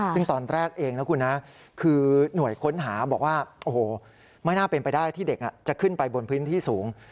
ซึ่งตอนแรกเองนะคุณนะคือหน่วยค้นหาบอกว่าโอ้โหไม่น่าเป็นไปได้ที่เด็กจะขึ้นไปบนพื้นที่สูง